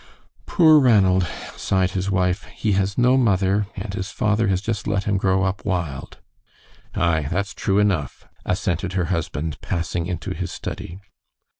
"Poor Ranald," sighed his wife; "he has no mother, and his father has just let him grow up wild." "Aye, that's true enough," assented her husband, passing into his study.